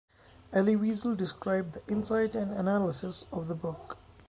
Elie Wiesel described the "insight and analysis" of the book.